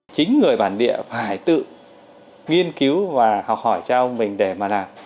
chính người bản địa phải tự nghiên cứu và học hỏi cho mình để mà làm